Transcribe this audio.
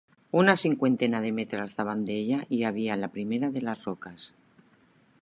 Una cinquantena de metres davant d'ella hi havia la primera de les roques.